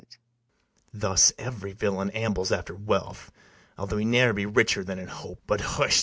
Thus every villain ambles after wealth, Although he ne'er be richer than in hope: But, husht!